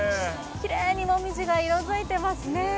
きれいにもみじが色づいてますね。